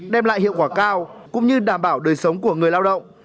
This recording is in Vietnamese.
đem lại hiệu quả cao cũng như đảm bảo đời sống của người lao động